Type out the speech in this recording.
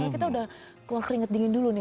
kalau kita udah keringet dingin dulu nih